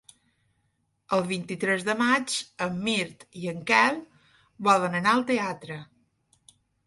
El vint-i-tres de maig en Mirt i en Quel volen anar al teatre.